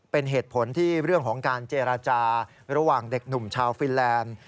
เป็นเหตุผลที่เรื่องของการเจรจาระหว่างเด็กหนุ่มชาวฟินแลนด์